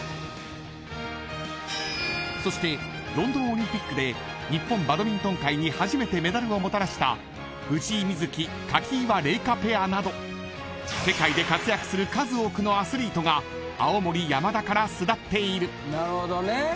［そしてロンドンオリンピックで日本バドミントン界に初めてメダルをもたらした藤井瑞希垣岩令佳ペアなど世界で活躍する数多くのアスリートが青森山田から巣立っている］